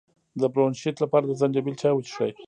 د برونشیت لپاره د زنجبیل چای وڅښئ